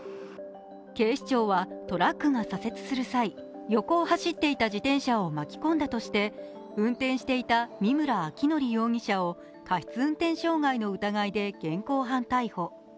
警視庁はトラックが左折する際、横を走っていた自転車を巻き込んだとして運転していた見村彰紀容疑者を過失運転傷害の疑いで現行犯逮捕。